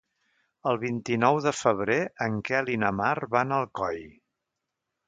El vint-i-nou de febrer en Quel i na Mar van a Alcoi.